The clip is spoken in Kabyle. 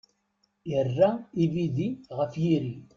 Irra ibidi ɣef yiri.